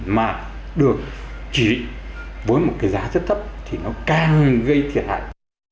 mà được chỉ với một cái giá rất thấp thì nó càng gây thiệt hại